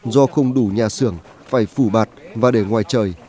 do không đủ nhà xưởng phải phủ bạt và để ngoài trời